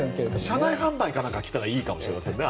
車内販売が来たらいいかもしれませんよね。